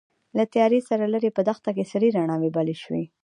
له تيارې سره ليرې په دښته کې سرې رڼاوې بلې شوې.